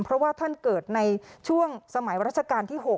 เพราะว่าท่านเกิดในช่วงสมัยรัชกาลที่๖